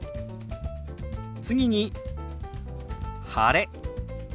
次に「晴れ」。